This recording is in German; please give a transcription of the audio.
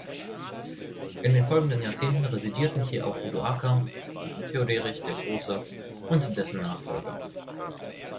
In den folgenden Jahrzehnten residierten hier auch Odoaker, Theoderich der Große und dessen Nachfolger.